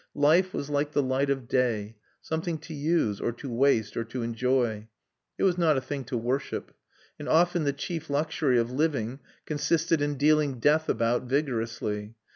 Life was like the light of day, something to use, or to waste, or to enjoy. It was not a thing to worship; and often the chief luxury of living consisted in dealing death about vigorously.